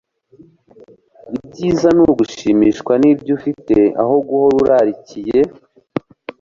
ibyiza ni ugushimishwa n'ibyo ufite aho guhora urarikiye